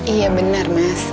iya benar mas